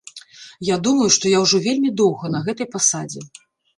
Я думаю, што я ўжо вельмі доўга на гэтай пасадзе.